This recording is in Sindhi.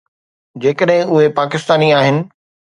جيڪڏهن اهي پاڪستاني آهن.